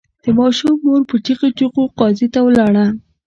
د ماشوم مور په چیغو چیغو قاضي ته ولاړه.